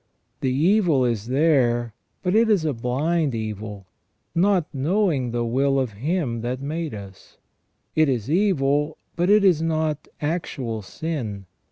The evil is there, but it is a Wind evil, not knowing the will of him that made us. It is evil, but it is not actual sin.